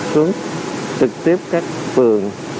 xuống trực tiếp các phường